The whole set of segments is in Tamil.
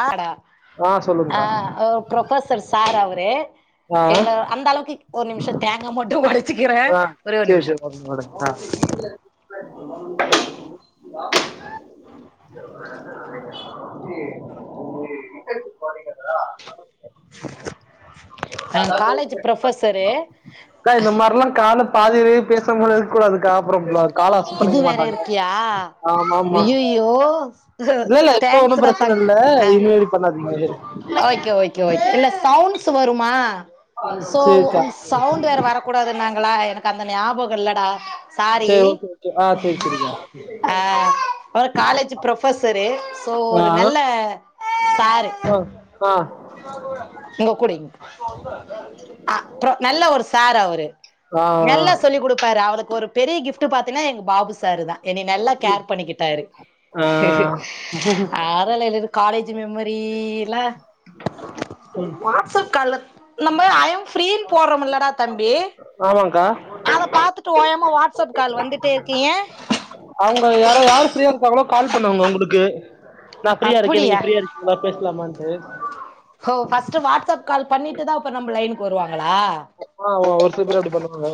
ஆட ஆ அ சொல்லுங்கக்கா ஓ பிரொபெசர் சார் அவுரு ஆ எங்கள அந்த அளவுக்கு ஒர் நிமிஷத் தேங்கா மட்டு ஒடச்சுக்கிற ஒரேஒர் நிம்ஷ ஒட அ அ காலேஜ் ப்ரொஃபசரு க்கா இந்த மார்ல்லா காலப் பாதிலியே பேசாமலா இர்க்க கூடாதுக்கா அப்றோ கால அசப் பண்ணிக்க மாட்டாங்க ஆமா ஆமா ஐயியோ இல்ல இல்ல இப்ப ஒன்னும் பிரச்சன இல்ல இனிமேல் பண்ணாதீங்க ஓக்கே ஓக்கே ஓக்கே இல்ல சவுண்ட்ஸ் வருமா சோ சரி சரி சவுண்ட் வேற வரக் கூடாதுன்னாங்களா எனக் அந்த ஞாபக இல்லடா சாரி சரி ஓகே ஓகே ஆ சரி சரிக்கா ஆ ஓ காலேஜ் ப்ரோஃவ் ஃவ்வசரு சோ ஒரு நல்ல சாரு ஒ அ இங்க குடிங் ஆ ப்றோ நல்ல ஒரு சார் அவுரு ஆ ஆ நல்ல சொல்லி குடுப் பாரு அவளுக் ஒரு பெரிய கிஃப்ட்டு பாத்தீங்ன்னா எங்க பாபு சாரு தா என்னய நல்லா ம் கேர் பண்ணிக்கிட்டாரு ஆ அ பரவால்ல என்னத காலேஜ்ஜு மெமரில்லா வாட்ஸ் அப் கால்ல நம்ப ஐயம் ஃப்ரீன் போட்றம்இல்லடா தம்பி ஆமாங்க்கா அதப் பாத்துட்டு ஓயாம வாட்ஸ்அப் கால் வந்துட்டே இர்க்கு ஏ அவுங்க யாரோ யாரு ஃப்ரீயா இருக்காங்களோ கால் பண்ணுவாங்க உங்குளுக்கு நா ஃப்ரீயா இருக்கே நீங்க அப்படியா ஃப்ரீயா இருக் னா பேஸ்லாமான்ட்டு ஹோ ஃபர்ஸ்ட்டு வாட்ஸ்அப் கால் பண்ணிட்டுதா அப்பர் நம்ப லைனுக்கு வருவாங்களா ஆமா ஒரு சிலபேர் அப்டி பண்ணுவாங்க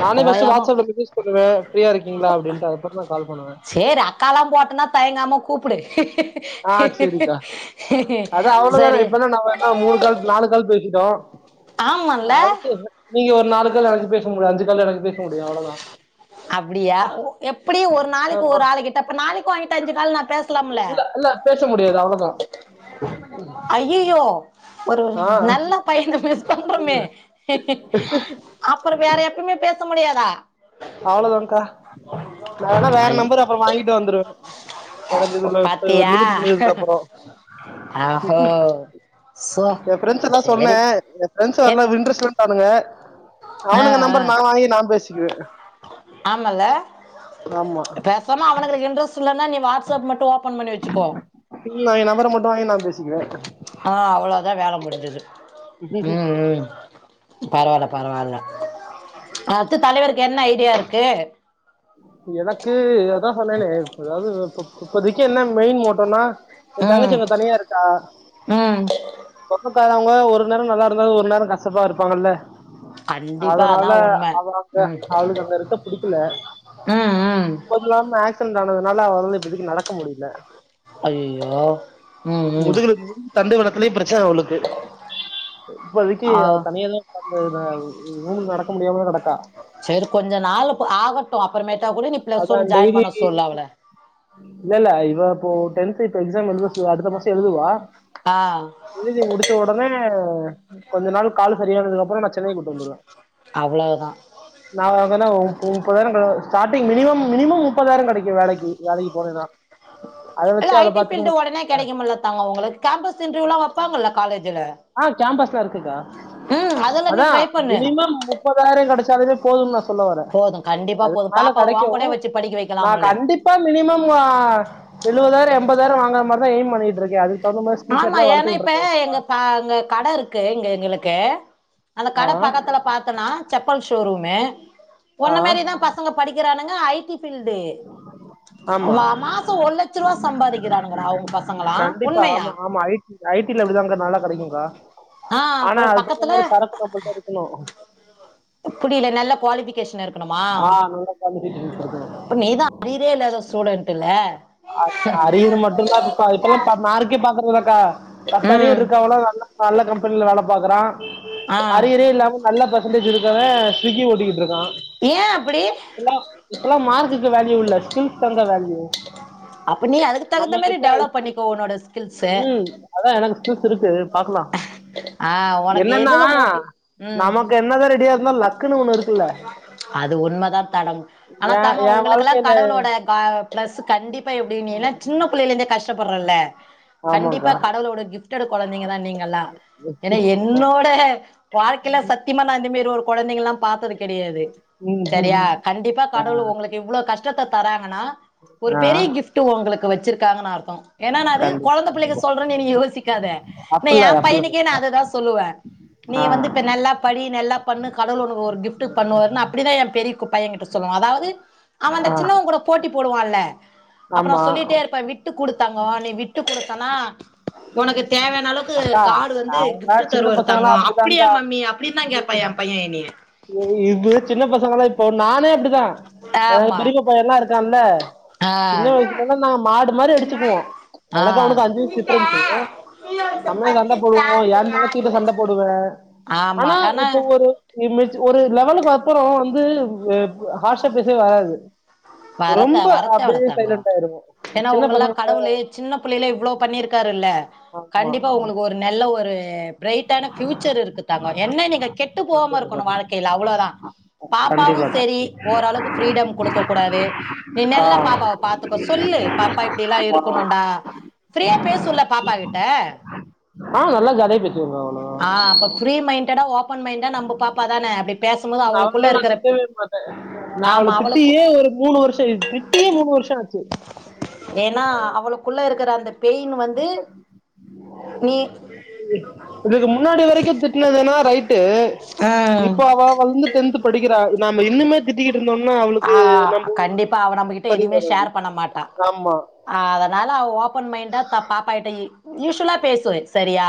நானே ஃபர்ஸ்ட்டு ஓயாம வாட்ஸ்அப்ல மேஸேஜ் பன்னுவ ஃபிரீயா இருக்கீங்ளா அப்டின்ட்டு அதுக்கப்றோ தா கால் பண்ணுவே சேர் அக்கால்லா போட்டன்னா தயங்காம கூப்புடு ஆ சேரிக்கா சரி அ மூணு கால் நாலு கால் பேசிட்டோ ஆமால்ல அடுத்து நீங்க ஒரு நாலு கால் எனக்கு பேச முடியு அஞ்சு கால் எனக்கு பேஸ் அப்புடியா எப்புடி ஒரு நாளைக்கு ஆமா ஒரு ஆளுக்கிட் அப்ப நாளைக்கு ஒங்கிட்ட அஞ்சு கால் நா பேஸ்லாம்ல பேசமுடியாது அவ்ளதா ஐயையோ ஒரு நல்ல பையன மிஸ் பண்றம்மே அப்றோ வேற எப்யுமே பேச முடியாதா அவ்ளோதாக்கா நா வேன்னா வேற ஐய் நம்பரு அப்றோ வாங்கிட்டு வந்துருவ எனக்கு இதுல ப்ப பாத்தியா லிமிட்டு முஞ்சதுக்கு அப்பறோ ஆஹோ சோ எ ஃபிரெண்ட்ஸ் எல்லா சொன்னே சேரி என் ஃபிரெண்ட்ஸ் எ வர்ல இன்ட்ரெஸ்ட் இல்லன் கானுங்க அவனுங்க நம்பர் நா வாங்கி நா பேசிக்குவெ ஆம்மால்ல ஆம்மா பேசாம அவனுங்களுக்கு இன்ட்ரெஸ்ட் இல்லன்னா நீ வாட்ஸ்அப் மட்டோ ஓபன் பண்ணி வெச்சுக்கோ இ நா ஏ நம்பர மட்டோ வாங்கி நா பேசிக்குற அ அவ்ளோதா வேல முடிஞ்சது ம் ம் பரவால்ல பரவால்ல அத்து தலைவருக்கு என்ன ஐடியா இருக்கு எனக்கு அதா சொன்னனே அதாவது இப் இப்பத்திக்கு என்ன மெயின் மோட்டோன்னா ஏ தங்கச்சி ம் அங்க தனியா இருக்கா ம் சொந்தக்காரவங்க ஒரு நேரோ நல்லா இருந்தாலு ஒரு நேரோ கசப்பா இருப்பாங்கல்ல கண்டிப்பா அதனால அதான் உண்மை அவ அந்த ம் அவளுக்கு அங்க இருக்க புடிக்கல ம் ம் அதுவு இல்லாம ஆக்சிடென்ட் ஆனதுனால அவளால இப்பதைக்கு நடக்க முடியில ஐயய்யோ முதுகுல தண்டு வளத்துலயு பிரச்சன அவளுக்கு இப்போதிக்கு ஆ அவ தனியா தா பாத்துக்குறா ரூம்ல நடக்க முடியாமதா கடக்கா சரி கொஞ்ச நாள் ஆகட்டோ அப்புறமேட்டா கூட நீ பிளஸ் அதான் ஒன் ஜாயின் பண்ண சொல்லு அவள இல்லல்ல இவ இப்போ டென்த் இப்ப எக்ஸாம் எழுத சு அடுத்த மாசோ எழுதுவா ஆ இழுதி முடிச்ச உடனே கொஞ்ச நாள் கால் சரியானதுக்கு அப்பறோ நா சென்னை கூட்டு வந்துருவே அவ்ளவுதா நா வந்தனா முப் முப்பதாயிரோ கு ஸ்டார்டிங் மினிமம் மினிமம் முப்பதாயிர கெடைக்கோ வேலைக்கி வேலைக்கு போனேன்னா அதை இல்ல வச்சு அவளை ஐடி பாத்துக்க ஃபீல்டு முடியும் உடனே கெடைக்கு முல்ல தங்கோ உங்களுக் கேம்பஸ் இன்டர்வியூல்லா வப்பாங்கல்ல காலேஜுல ஆ கேம்பஸ்லா இருக்குக்கா அதெல்லாம் நீ அதா ட்ரை பண்ணு மினிமம் முப்பதாயிர கெடைச்சாலே போதும் நா சொல்ல வரே போதும் கண்டிப்பா அதுக்கு போதும் மேல பாப்பாவை கெடைக்கு வாங்க கூட வச்சு படிக்க நா வைக்கலாம்ல கண்டிப் பா மினிமம் ஆ எழுவதாயிரோ எம்பதாயிறோ வாங்குற மாரிதா எய்ம் பண்ணிட்டு இருக்கே அதுக் தகுந்தமா ஸ்கில்ஸ் ஸெட்லா வளத்துட்டு இருக்கே இப்பதா ஆங்க கட இருக்கு இங்க எங்களுக்கு அந்த ஆ கட பக்கத்துல பாத்தன்னா செப்பல் ஷோரூமு ஆ ஒன்ன மாரிதா பசங்க படிக்கிறானுங்க ஐ டி ஃபீடு ஆமா மா மாசோ ஒரு லட்ச ரூவா சம்பாதிக்கிறானுங்கடா உ பசங்களா உண்மையா ஐ டில அப்டிதாங்க்கா நல்லா கெடைக்குங்க்கா ஆ ஆனா அப்புறோ அதுக்தகுந்த பக்கத்துல மாரி சரக்கு நம்மள்ட்ட இருக்கனு புரில நல்ல குவாலிஃபிகேஷன் இருக் கணுமா ஆ நல்ல குவாலிட்டி டிவி குடுக்கணும் இப்ப நீதா அறியறே இல்லாத ஸ்டூடென்ட் இல்ல அர் அரியர் மட்டுந்தா ப்ப இப்பல்லா ப மார்க்கே பாக்றதுல்லக்கா பத்தறியர் ம் இருக்கவலா நல்ல நல்ல கம்பெனில வேல பாக்குறா ஆ அரியரே இல்லாம நல்ல பர்சன்டேஜ் இருக்கவ ஸ்விக்கி ஒட்டிட்டு இருக்கா ஏ அப்டி இப்பல்லா இப்பல்லா மார்க்குக்கு வேல்யூ இல்ல ஸ்கில்ஸ் தாங்க்கா வேல்யூ அப்ப நீ அதுக்கு தகுந்த நம்ம மாரி கிட்ட டெவலப் பண்ணிக்கோ உன்னோட ஸ்கில்ஸு ம் அதா எனக்கு ஸ்கில்ஸ் இருக்கு பாக்லா ஆ உனக்கு என்னன்னா எதுல மோட்டிவ் ம் நமக்கு என்னதா ரெடியா ல லக்குன்னு ஒண்ணு இருக்குல்ல அது உண்மதா தடம் ஆனா ஏ தங்கோ ஏ உங்களுக்கெல்லா வாழ்க்கையில கடவுளோட ப பிளஸ் கண்டிப்பா எப்டி நீ ஏன்னா சின்ன பிள்ளைல இருந்தே கஷ்டப்பட்றல்ல கண்டிப்பா ஆமாக்கா கடவுளோட கிஃப்ட்டட் கொழந்தைங்கதா நீங்கல்லா ஏன்னா ஆ என்னோட வாழ்க்கைல சத்திமா நா இந்த மேரி ஒரு கொழந்தைங்கல்லா பாத்தது கெடையாது ம் சரியா கண்டிப்பா ஆ கடவுள் ஒங்களுக் இவ்ளோ கஷ்டத்த தராங்கன்னா ஒரு ஆ பெரிய கிஃப்ட் உங்களுக்கு வச்சிருக்காங்கன்னு அர் தோ ஏன்னா நானது கண்டிப்பா கொழந்த பிள்ளைக கண்டிப்பா சொல்றன்னு நீ யோசிக்காத இந்த அப்பில்லா எ இல்ல அப்பில்லா பையனுக்கே நா இல்ல அததா சொல்லுவ நீ ஆ வந்து இப்ப நல்லா படி நல்லா பண்ணு கடவுள் ஒனக்கு ஒரு கிப்ட் பண்ணுவாருன் அப்டிதா எ பெரிய குப்பா என் கிட்ட சொல்லுவா அதாவது அவ அந்த ஆ சின்னவங்கூட போட்டி போடுவான்ல அப்ப நா ஆமா சொல்லிட்டே இருப்பே விட்டு குடுத்தாங்கோ நீ விட்டு குடுத்தனா உனக்கு தேவையான அளவுக்கு அக்கா காட் வந்து அதெல்லா கிப்ட் சின்ன பசங்கல்லா தருவாருத்தங்கோ அப்டியா அப்டிதான்க்கா மம்மி அப்டின்தா கே ப்பா என் பையன் என்னைய ஓ இது சின்ன பசங்களா இப்போ நானே அப்டித்தா எனக்கு ஆமா பெரிப்பா பையல்லா இருக்கான்ல ஆ சின்ன வயசு நல்லா நாங்க மாடு மாரி அடுச்சுக்குவோ ஆ எனக்கு அவனுக்கு அஞ்சு வயசு டிஃப்ரன்ஸு செம்மைய சண்ட போடுவோ எ தங்கச்சிட்ட சண்ட போடுவே ஆனா இப்போ ஒரு ரு இம்மெஜ் லெவலுக்கு அப்பறோ வந்து ஹார்ஷா பேசவே வராது வர த ரொம்ப வரத்தேவல அப்டியே தங்கோ சைலண்ட் ஆய்ருவோ ஏன்னா சின்ன உங்கல்லா பசங்கள கடவுளு சின்ன இவ்ளோ பண்ணிருக்காருல்ல கண்டிப்பா உங்களுக்கு ஒரு நல்ல ஒரு ப்ரைட் ட்டான பியூச்சர் இருக்கு தங்கோ என்ன நீங்க கெட்டு போகாம கண்டிப்பா இருக்கணு கண்டிப்பா வாழ்க்கைல அவ்ளோதா பாப்பாவு கண்டிப்பாக்கா செரி ஓரளவு ஃப்ரீடம் குடுக்கோ வாரு நீ ஆ நல்லா பாப்பாவ பாத்துக்கோ சொல்லு பாப்பா இப்டிலா இருக்கணுண்டா ஆ ஃப்ரியா பேசசொல்லா பாப்பா கிட்ட ஆ நல்லா ‌ஜட தச்சிவிடுவாங்க ஆனா ஆ அப்ப ஃப்ரீ மைண்டடா ஓபன் மைண்டா நம்ப பாப்பா தான அப்டி உ பேசும்போது அவளுக்குள்ள அவ்ளோநா இருக்கிற திட்டவே மாட்டே நா அவள ஆமா அவளுக்கு திட்டியே ஒரு மூணு வருஷோ திட்டியே மூணு வரும் ஆச்சி ஏனா அவளும் உள்ள இருக்குற அந்த பெயின் வந்து நீ இதுக்கு முன்னாடி வரைக்கும் திட்டினதுனா ரைட்டு ஆஹ் இப்ப அவ வந்து டென்த் படிக்கிறா நம்ம இன்னுமே திட்டிக்கிட்டு இருந்தோனா அவளுக்கு நம்ம இப்ப அவ நம்மக்கிட் சரி எதுமே வரும் ஷேர் பண்ண மாட்டா ஆமா அதனால அவ ஓபன் மைண்டா பாப்பாட்ட யூஸ்வலா பேசுவேன் சரியா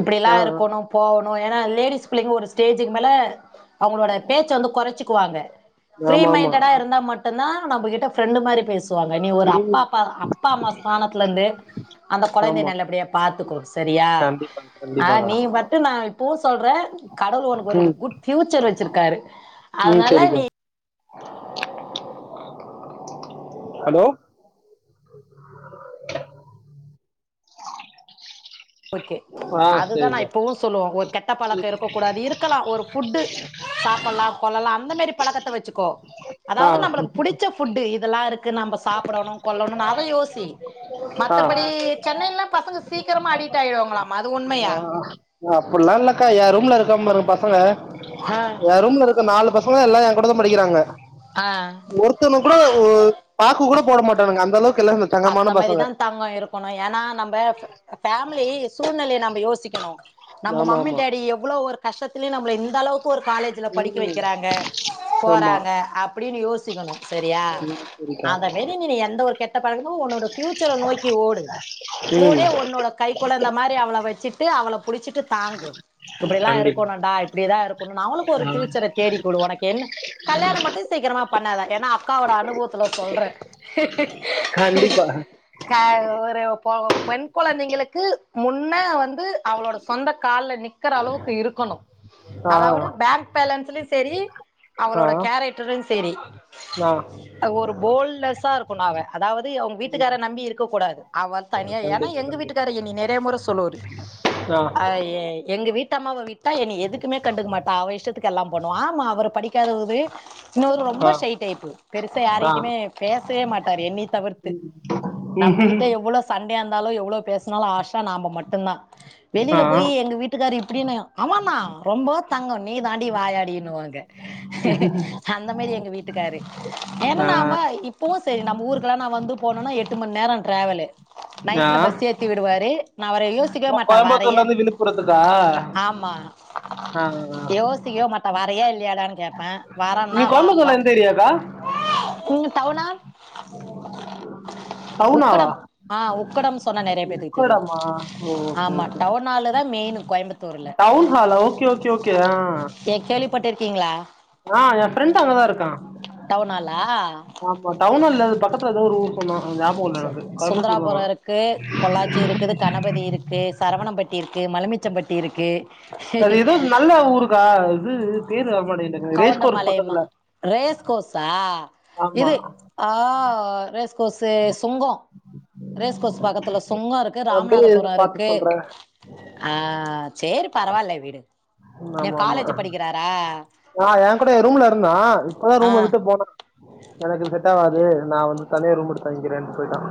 இப்டி எல்லா ஆ, ஆ. இருக்கணு போவுணு ஏனா லேடிஸ் புள்ளைங்க ஒரு ஸ்டேஜுக்கு மேல அவுங்களோட பேச்ச வந்து கொறச்சிக்குவாங்க ஃப்ரீ ஆமா ஆமா மைன்டடா அது- இருந்தா மட் மட்டுதா நம்மகிட்ட ஃப்ரெண்ட் மாரி பேசு வாங்க நீ ஒரு அப்பா ம், அப்பா அப்பா அம்மா ஸ்தானத்ல இருந்து அந்த கொழந்தைய ஆமா நல்லபடியா பாத்துக்கோ சரியா கண்டிப்பா ஆ கண்டிப்பாக்கா நீ மட்டு நா இப்பவும் சொல்றே கடவுள் ஒனக்கு ஒரு ம் குட் பியூச்சர் வச்சிருக்காரு ம் அதனால நீ சரிக்கா ஹலோ [inaudible] ஓகே ஆ அதுதா நா சரிக்கா இப்பவு சொல்லுவோம் ஒரு கெட்ட பழக்கம் இருக்க கூடாது இருக்கலா ஒரு ஃபுட்டு சாப்பல்லா கொல்லலா அந்த மாரி பழக்கத்த வச்சுக்கோ ஆ அதாவது நம்மளுக்கு புடிச்ச ஃபுட்டு இதெல்லா இருக் க்கு நம்ம சாப்படணும் கொல்லணும் அத யோசி ஆ மத்தபடி சென்னனைல்லா பசங்க சீக்கிரமா அடிட் ஆயிடுவாங்களாமா அது உண்மயா அப்டில்லா இல்லக்கா யா ரூம்ல இருக்கா பாருங்க பசங்க ஆ ஏ ரூம்ல இருக்க நாலு பசங்கள எல்லா ஏ கூட தா படிக்கிறாங்க ஆ ஒரு ஒருத்தவன் கூட பாக்கு கூட போட மாட்டானுங்க அந்த அளவுக்கு எல்லா அந்த தங்கமான பசங்க மாரிதா தங்கம் இருக்கணும் ஏனா நம்ம ஃபேமிலி சூழ்நிலைய நம்ப யோசிக்கணும் நம்ம ஆமா மம்மி ஆமா டாடி எவ்ளோ ஒரு கஷ்டத்துலயு நம்மள இந்த அளவுக்கு ஒரு காலேஜ்ல படிக்க ம் வக்கிறாங்க ஆமா போறாங்க அப்டின்னு யோசிக்கணும் சரியா ம் சரிக்கா அத விட் [unintelligible] எந்த ஒரு கெட்ட பழக்கமு ஒன்னோட பியூச்சர நோக்கி ஓடு ம் கூடே ஒன்னோட கை கொழந்த மாரி அவள வச்சுட்டு அவள புடிச்சிட்டு தாங்கு இப்டிலா கண்டிப்பா இருக்கணுடா இப்டிதா இருக்கணு அவளுக்கு ஒரு ஆ ஃபியூச்சர தேடி குடு ஒனக்கு என்ன கல்யாண மட்டும் சீக்கிரமா பண்ணாதா ஏனா அக்காவோட அனுபவத்துல சொல்றே கண்டிப்பா [inaudible] க ஒரு ஒ பெண் கொழந்தைங்களுக்கு முன்ன வந்து அவளோட சொந்த கால்ல நிக் நிக்ற அளவுக்கு இருக்கணு ஆ அதாவது பேங்க் பேலன்ஸ்லயு சரி ஆ அவளோட கேரக்ட [unintelligible] சேரி [inaudible] அவ ஒரு போல்லெஸ்ஸா இருக்குனு அவ அதாவது அவுங்க வீட்டுக்கார நம்பி இருக்க கூடாது அவ தனியா ஏனா கண்டிப்பா எங்க கண்டிப்பா வீட்டுக்கார எனைய நெறய முறை சொல்லுவாரு ஆ அ எ எங்க வீட்டு அம்மாவ வீட் விட்டா என எதுக்குமே கண்டுக்க மாட்டா அவே இஷ்டத்துக்கு எல்லா பண்ணுவா ஆமா அவரு படிக்காதவரு இன்னொரு ரொம்ப ஆ சை டைப் பெருசா ஆ யாருகிட்டயுமே பேச பேசவே மாட்டாரு எண்ணிய தவிர்த்து ம் நம்மகிட்ட எவ்ளோ சண்டயா இருந்தாலு எவ்ளோ பேசுனாலு ஆஷா நாம மட்டுதா ஆ வெளில போய் எங்க வீட்டுக்கார் எப்டின்னு ஆமாமா ரொம்ப தங்கோ நீ தாண்டி வாயாடினுவாங்க அந்த மாரி எங்க வீட்டுக்காரு ஆ எங்கம்மா [unintelligible] இப்பவு சரி நம்ம ஊருக்குல்லா நா வந்து போனேனா எட்டு மணி நேர ட்ராவலு ஆ நைட்ல பஸ் ஏத் ஏத்திவுடுவாரு நா அவர யோ யோசிச்க்க ஓ மாட்டா கோயம்புத்தூர்ல வாரயே இருந்து விழுப்புரத்துக்கா ஆமா ஆ ஆ. யோசிச்சீ [unintelligible] மாட்டன் வாரயா இல்லையாடான்னு கேப்பே நீ வரேன்னா வா வா கோயம்புத்தூர்ல எந்த ஏரியாக்கா நீங்க டவுனா டவுனாவா உக்கடம் அ உக்கடம் சொன்னா நெறைய பேத்துக்கு தெரியு உக்கடமா ஓ ஓகே ஆமா ஓகே டவுனால தான் மெயின் கோயம்பத்தூர் டவுன் ஹால ஓகே ஓகே ஓகே அ ஏ கேள்விப்பட்டிருக்கீங்களா அ என் ஃப்ரெண்ட் அங்கதா இருக்கா டவுனாலா ஆமா டவுன அல்ல பக்கத்துலதாவ ஒரு ஊர் சொன்னா போடல எனக்கு கரும்பத்தூர் சுந்தராபுரம் தானான் இருக்கு பொள்ளாச்சி [inaudible] இருக்குது கணபதி இருக்கு சரவணம்பட்டி இருக்கு மலைமிச்சம்பட்டி இருக்கு அது ஏதோ நல்ல ஊருக்கா இது பேர் வரமாட்ட கவுண்டமலயமா ரேஸ் கோசா ஆமா இது அ ரேஸ் கோசு சுங்கோ ரேஸ்கோஸ் பக்கத்துல சுங்கம் இருக்கு அப்டியே இரு ராமநாதபுரம் பாத்து இருக்கு சொல்றே அ சேரி பரவாயில்லலை விடு என் காலேஜ் படிக்கிறாரா ந என் கூட ரூம்ல இருந்தா இப்பதா ஆ ரூம் விட்டு போனா எனக்கு செட் ஆகாது நான் வந்துவ தனியே ரூம் எடுத்து தங்கிக்கிறேன் போயிட்டான்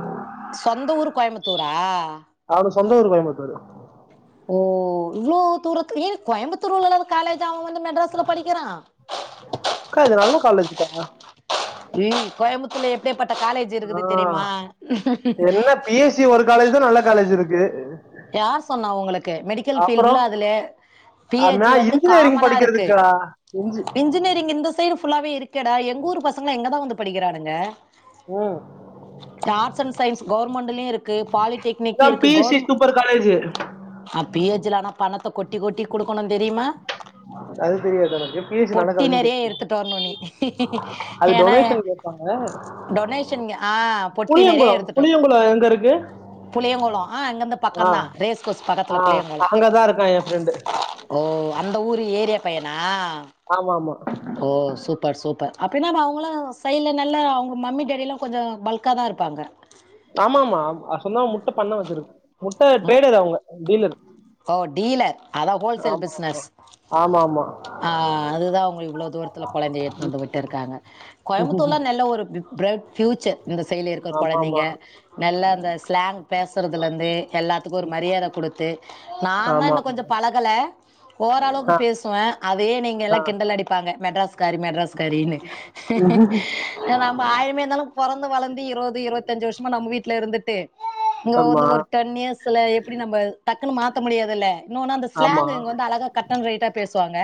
சொந்த ஊரு கோயம்புத்தூரா அவனு சொந்த ஊரு கோயம்புத்தூரு ஒ இவ்ளோ தூரத்துலயே கோயம்புத்தூர் உள்ள காலேஜ் அவன் வந்து மெட்ராஸ்ல படிக்கிறா அக்கா இது நல்லா காலேஜ்க்கா [unintelligible] கோயம்புத்தூர்ல எப்பேர்ப்பட்ட காலேஜ் ஆ இருக்குது தெரியுமா ஞ்சி ஒரு காலேஜ் தா நல்ல காலேஜ் இருக்கு யார் சொன்னா உங்களுக்கு மெடிக்கல் அப்றோ பீல்டுல அதுல பி எ நா ஜி வந்து இன்ஜினியரிங் காமனா இருக்கு படிக்கிறதுக்குடா இன்ஜி இன்ஜினியரிங் இந்த சைடு புல்லாவே இருக்கேடா எங்க ஊர் பசங்களா இங்கதா வந்து படிக்கிறானுங்க ஓ ஆர்ட்ஸ் அண்ட் சயின்ஸ் கவுவர்மெண்ட்லயும் இருக்கு பாலிடெக்னிக் இருக்கு கவுர்மெண்ட் பர் காலேஜூ ஆ பியேஜ்ல ஆனா பணத்தை கொட்டி கொட்டி குடுக்குணும் தெரியுமா அது தெரியாது எனக்கு பிஎஜி நல்லா பொட்டி காலேஜ் நெறைய தெரியு எடுத்துட்டு வரணும் நீ அது டொனேஷன் கேப்பாங்க டொனேஷன்ங்க ஆ பொட்டி நிறைய புளியங்குளம் எடுத்துட்டோம் புளியங்குளோம் எங்க இருக்கு புளியங்குளம் ஆ இங்கந்து ஆ பக்கம் தான் ரேஸ்கோர்ஸ் ஆ பக்கத்துல புளியங்குளம் அங்கதான் இருக்கான் என் ஃப்ரெண்டு ஓ அந்த ஊர் ஏரியா பையனா ஆமா ஆமா ஓ சூப்பர் சூப்பர் அப்டின்னா அவங்களாம் சைடில நல்லா அவங்க மம்மி டேடெிலாம் கொஞ்சம் பல்க்கா தா இருப்பாங்க ஆமா ஆமா சொன்ன முட்ட பண்ண வச்சிருக்கு முட்ட ட்ரேடர் அவங்க டீலர் ஓ டீலர் அதா ஹோல்சேல் ஆமா பிஷ்னஸ் ஆமா ஆமா ஆ அதுதா அவங்க இவ்ளோ தூரத்துல கொழந்தைய எடுதுன் வந்து விட்டு இருக்காங்க கோயம்புத்தூர்லாம் நல்ல ஒரு பிப் ப்ரைட் ஃப்யூச்சர் இந்த சைடுல இருக்க ஆமா கொழந்தைங்க நல்லா அந்த ஸ்லாங் பேசுகறதுலேந்து எல்லாத்துக்கும் ஒரு மரியாத குடுத்து நா தான் ஆமா ஆமா இன்னும் ஆமா கொஞ்சம் பழகல ஓரளவுக்கு ஆ பேசுவேன் அதயே நீங்க ஆ எல்லாம் கிண்டல் அடிப்பாங்க மெட்ராஸ் காரி மெட்ராஸ் காரின்னு நம்ம ஆயிமே ந்தாலும் பொறந்து வளந்து இருவது இருவத்தஞ்சு வருஷமா நம்ப வீட்ல இருந்துட்டு இங்க ஆமா வந்து ஒரு டென் இயர்ஸ்ல எப்டி நம்ம டக்குன்னு மாத்த முடியாதுல்ல இன்னொன்னு அந்த ஆமா ஸ்லேங்கு இங்க வந்து அழகா கட்டன் ரைட்டா பேசுவாங்க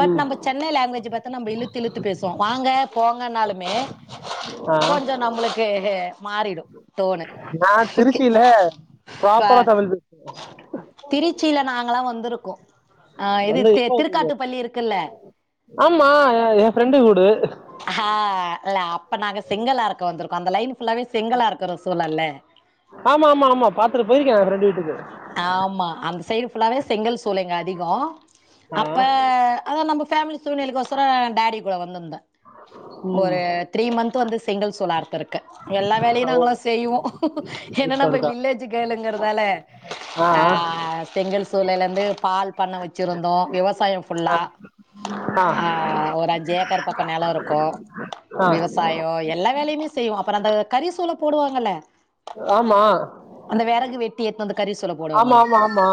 பட் நம்ப சென்னை லேங்குவேஜ் பாத்து நம்ம இழுத்து இழுத்து பேசுவோ வாங்க போங்கன்னாலுமே ஆ கொஞ்சோ நம்மளுக்கு மாறிடும் நா திருச்சியில ப்ராப்பரா சார் தமிழ் பேசுவேன் திருச்சில நாங்கல்லா வந்திருக்கோன் ஆ இது வந்து எப்போ வந்து- திருக்காட்டு பள்ளி இருக்குல்ல ஆமா ஏன் ஃப்ரெண்டு வீடு ஹா இல்ல அப்ப நாங்க செங்கல் அருக்க வந்திருக்கோ அந்த லைன் ஃபுல்லாவே செங்கல் அருக்குற சூழல்ல ஆமா ஆமா ஆமா பாத்துட்டு போயிருக்கே என் ப்ரெண்டு வீட்டுக்கு ஆ ஆமா அந்த சைடு ஃபுல்லாவே செங்கல் சூளைங்க அதிகோ அப்ப ஆ அதா நம்ம ஃபேமிலி சூழ்நிலைக்கோசரோ டேடி கூட வந்திருந்தே ம் ஒரு த்ரீ மந்த் வந்து செங்கல் சூழலஅரு இருக்க எல்லா வேலையு ஓ நாங்களா செய்வோன் ஏன்னா நம்ம சூப்பர்க்கா வில்லேஜ் கேளுங்குறதால ஆ செங்கல் சூழையில இருந்து பால் பண்ண வச்சிருந்தோ விவசா சாயோ ஆ ஃபுல்லா ஆ அ ஒரு அஞ்சு ஏக்கர் பக்கோ நெலோ இருக்குன் ஆ ஆ விவசாய சாயோ எல்லா வேலையுமே செய்வோ அப்புறோ அந்த கறிசூழை போடுவாங்கல்ல ஆமா அந்த வெறகு வெட்டி எடுத்துவந்து ஆமா ஆமா ஆமா